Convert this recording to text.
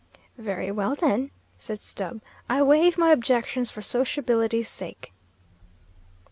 "Very well, then," said Stubb, "I waive my objections for sociability's sake."